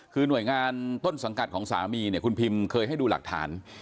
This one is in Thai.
คือหน่วยงานต้นสังกัดของสามีเนี่ยคุณพิมเคยให้ดูหลักฐาน